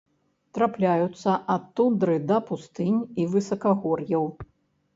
Трапляюцца ад тундры да пустынь і высакагор'яў.